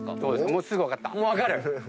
もうすぐ分かった？